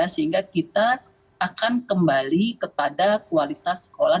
sehingga kita akan kembali kepada kualitas sekolah